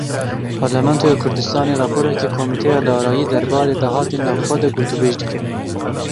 Parlamentoya Kurdistanê raporeke Komîteya Darayî derbarê dahatên navxwe de gotûbêj dike.